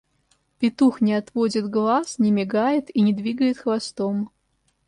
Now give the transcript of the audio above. Петух не отводит глаз, не мигает и не двигает хвостом.